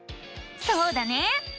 そうだね！